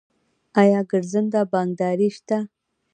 آیا ګرځنده بانکداري شته؟